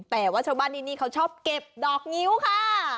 แต่ว่าชาวบ้านที่นี่เขาชอบเก็บดอกงิ้วค่ะ